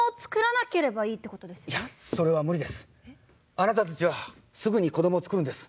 あなたたちはすぐに子供をつくるんです。